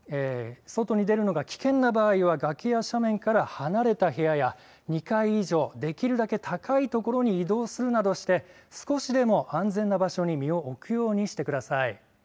外に出るのが危険な場合は崖や斜面から離れた部屋や２階以上、できるだけ高い所に移動するなどして少しでも安全な場所に身を置くようにしてください。